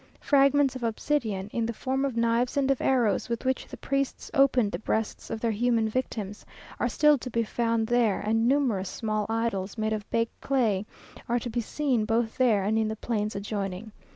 Fragments of obsidian, in the form of knives and of arrows, with which the priests opened the breasts of their human victims, are still to be found there; and numerous small idols, made of baked clay, are to be seen both there and in the plains adjoining.